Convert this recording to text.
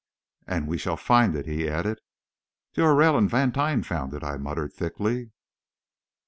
"And we shall find it!" he added. "D'Aurelle and Vantine found it," I muttered thickly.